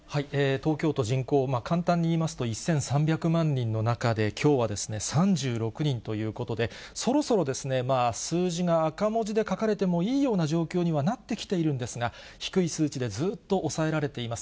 東京都人口、簡単に言いますと１３００万人の中で、きょうは３６人ということで、そろそろ数字が赤文字で書かれてもいいような状況にはなってきているんですが、低い数値でずっと抑えられています。